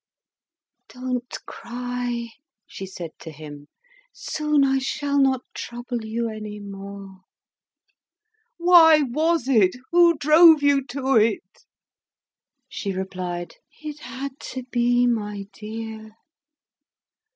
"Don't cry," she said to him. "Soon I shall not trouble you any more." "Why was it? Who drove you to it?" She replied. "It had to be, my dear!"